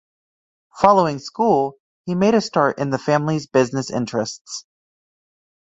Following school, he made a start in the family's business interests.